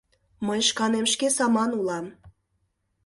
Мый шканем шке саман улам.